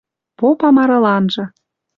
Попа марыланжы: